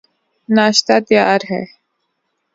ناشتہ تیار ہے